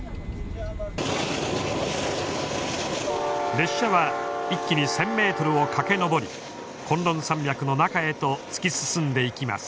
列車は気に１，０００ｍを駆け上り崑崙山脈の中へと突き進んでいきます。